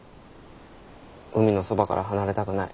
海のそばから離れたくない。